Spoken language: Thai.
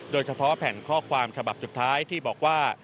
โดยเฉพาะแผ่นข้อความฉบับสุดท้ายที่บอกว่า